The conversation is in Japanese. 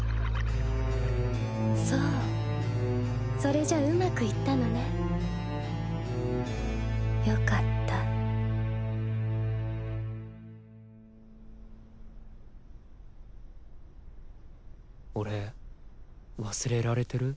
そうそれじゃうまくいったのねよかった俺忘れられてる？